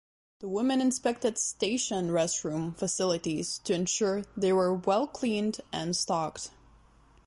The women inspected station restroom facilities to ensure they were well cleaned and stocked.